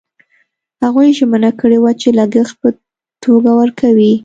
هغوی ژمنه کړې وه چې لګښت په توګه ورکوي.